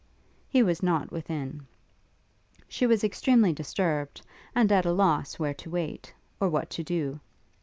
He was not within. She was extremely disturbed, and at a loss where to wait, or what to do.